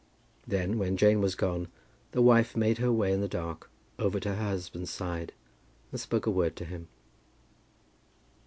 Then, when Jane was gone, the wife made her way in the dark over to her husband's side, and spoke a word to him.